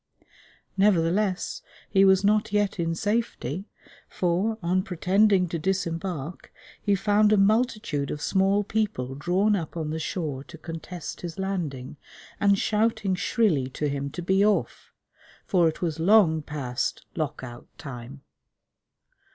Nevertheless, he was not yet in safety; for, on pretending to disembark, he found a multitude of small people drawn up on the shore to contest his landing, and shouting shrilly to him to be off, for it was long past Lock out Time.